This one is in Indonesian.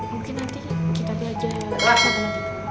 mungkin nanti kita belajar